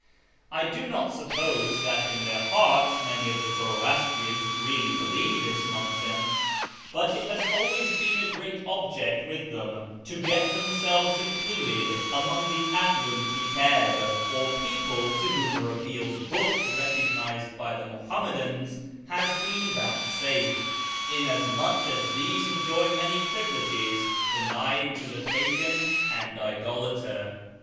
I do not supjDose that in their hearts many of the Zoroastrians really believe this nonsense, but it has always been a great object M'ith them to get themselves included amongst the aldu 'l kitdb, or people to whom a revealed book recognised by the Muham madans has been vouchsafed, inasmuch as these enjoy many privileges denied to the pagan and idolater.